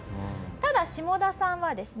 ただシモダさんはですね